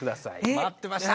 待ってました！